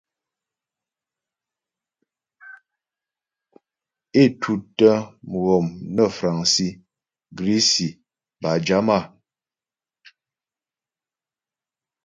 É tǔtə mghɔm nə́ fraŋsi, grisi bâ jama.